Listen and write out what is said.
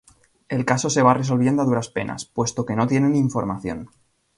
El caso se va resolviendo a duras penas, puesto que no tienen información.